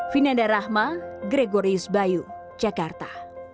vinanda rahma gregorius bayu jakarta